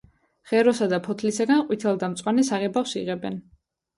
ღეროსა და ფოთლისაგან ყვითელ და მწვანე საღებავს იღებენ.